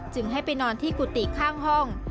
ให้ไปนอนที่กุฏิข้างห้อง